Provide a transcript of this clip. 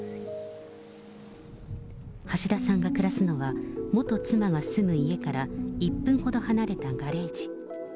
橋田さんが暮らすのは、元妻が住む家から１分ほど離れたガレージ。